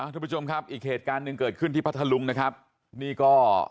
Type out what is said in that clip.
ทุกผู้ชมครับอีกเหตุการณ์หนึ่งเกิดขึ้นที่พัทธลุงนะครับนี่ก็